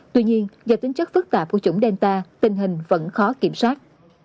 tuy nhiên do tính chất phức tạp của chủng delta tình hình vẫn khó kiểm soát